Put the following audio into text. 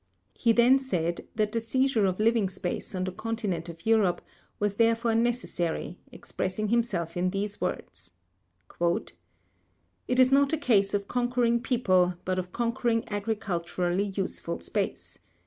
He then said that the seizure of living space on the continent of Europe was therefore necessary, expressing himself in these words: "It is not a case of conquering people but of conquering agriculturally useful space.